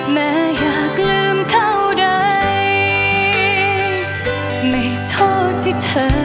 แม้อยากลืมเท่าไหร่ไม่ต้องต้องลืมเต็ม